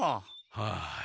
はい。